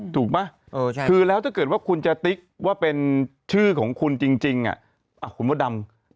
ถูกป่ะคือแล้วถ้าเกิดว่าคุณจะติ๊กว่าเป็นชื่อของคุณจริงคุณมดดำ